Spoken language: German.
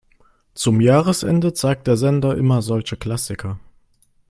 Zum Jahresende zeigt der Sender immer solche Klassiker.